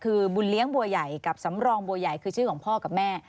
คือบุญเลี้ยงบัวใหญ่กับสำรองบัวใหญ่คือชื่อของพ่อกับแม่